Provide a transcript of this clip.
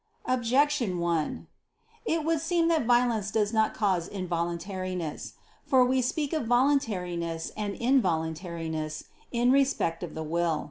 Objection 1: It would seem that violence does not cause involuntariness. For we speak of voluntariness and involuntariness in respect of the will.